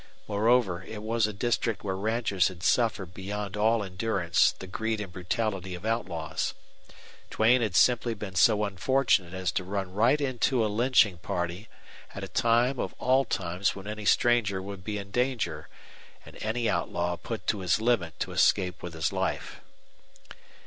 Moreover, it was a district where ranchers had suffered beyond all endurance the greed and brutality of outlaws. Duane had simply been so unfortunate as to run right into a lynching party at a time of all times when any stranger would be in danger and any outlaw put to his limit to escape with his life.